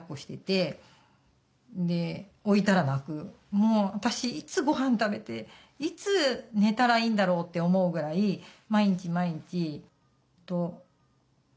もう私いつご飯食べていつ寝たらいいんだろうって思うぐらい毎日毎日。